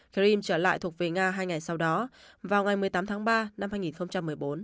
dream trở lại thuộc về nga hai ngày sau đó vào ngày một mươi tám tháng ba năm hai nghìn một mươi bốn